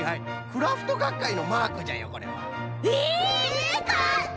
クラフトがっかいのマークじゃよこれは。えかっこいい！